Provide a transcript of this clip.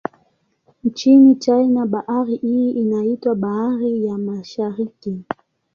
Nchini China, bahari hii inaitwa Bahari ya Mashariki.